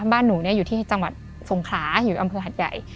บ้านหนูอยู่ที่จังหวัดสงขลาอยู่อำเภอหัดใหญ่